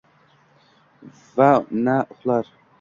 Va na uxlar